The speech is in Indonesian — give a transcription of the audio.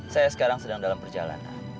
saya sekarang sedang dalam perjalanan